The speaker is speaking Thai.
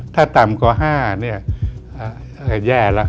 ถ้าต่ำกว่า๕แย่แล้ว